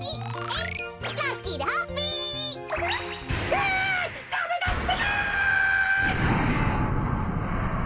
わダメだってか！